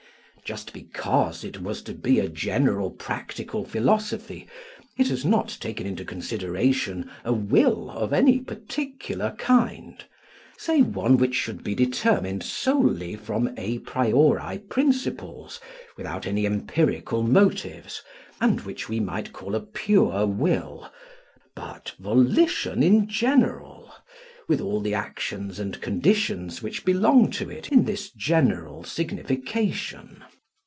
Just because it was to be a general practical philosophy, it has not taken into consideration a will of any particular kind say one which should be determined solely from a priori principles without any empirical motives, and which we might call a pure will, but volition in general, with all the actions and conditions which belong to it in this general signification.